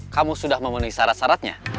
kamu sudah memenuhi syarat syaratnya